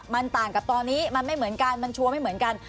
มันต่างกับตอนนี้มันไม่เหมือนกันมันชัวร์ไม่เหมือนกัน